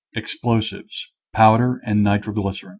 explosives: powder and nitroglycerin.